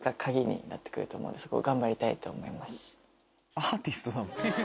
アーティストだもん。